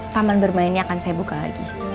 taman bermain ini akan saya buka lagi